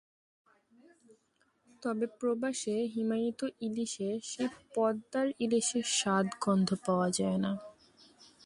তবে প্রবাসে হিমায়িত ইলিশে সেই পদ্মার ইলিশের স্বাদ-গন্ধ পাওয়া যায় না।